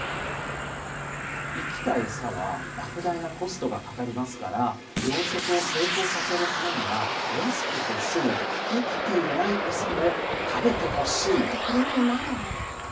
生きた餌はばく大なコストがかかりますから、養殖を成功させるためには、安くて済む生きていない餌も食べてほ食べてくれるのならば。